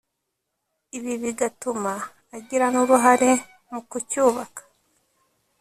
Ibi bigatuma agira nuruhare mu kucyubaka